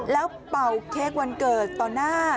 แล้วเป่าเค้กวันเกิดต่อหน้า